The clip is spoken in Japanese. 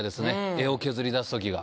柄を削り出すときが。